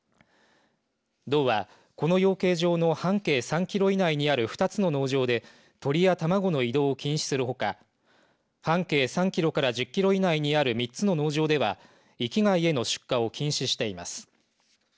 道はこの養鶏場の半径３キロ以内にある２つの農場で鶏や卵の移動を禁止するほか半径３キロから１０キロ以内にある３つの農場では域外への出荷を禁止しています。